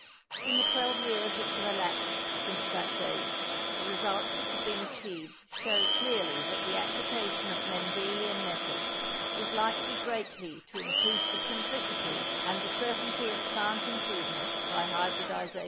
In the 12 years which have elapsed since that date the results which have been achieved show clearly that the application of Mendelian methods is likely greatly to increase the simplicity and the certainty of plant improvement by hybridisation.